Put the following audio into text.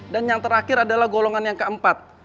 dan yang terakhir adalah golongan yang keempat